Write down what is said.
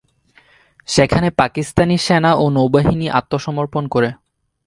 সেখানে পাকিস্তানি সেনা ও নৌবাহিনী আত্মসমর্পণ করে।